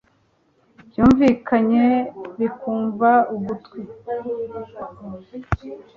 byumvikanye bikunva ugutwi